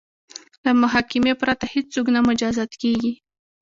له محاکمې پرته هیڅوک نه مجازات کیږي.